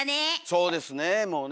そうですねもうね。